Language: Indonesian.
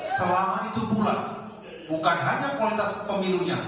selama itu pula bukan hanya kualitas pemilunya